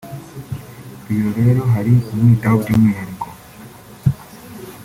Iyo rero hari umwitaho byumwihariko